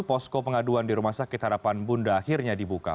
posko pengaduan di rumah sakit harapan bunda akhirnya dibuka